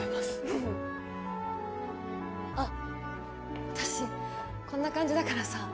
ふふっあっ私こんな感じだからさ